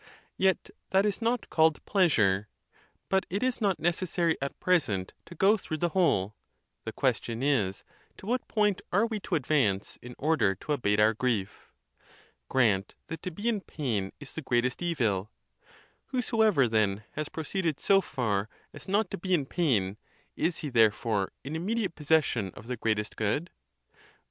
Yet that is not called pleasure. But it is not necessary at present to go through the whole:. the question is, to what point are we to advance in order to abate our grief? Grant that to be in pain is the great est evil: whosoever, then, has proceeded so far as not to be in pain, is he, therefore, in immediate possession of the greatest good?